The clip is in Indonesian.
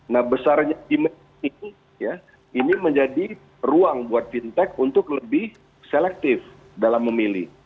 nah besarnya demand ini menjadi ruang buat fintech untuk lebih selektif dalam memilih